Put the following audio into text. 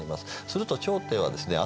すると朝廷はですね